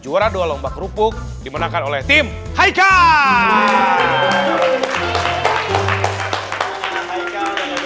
juara dua lomba kerupuk dimenangkan oleh tim haikal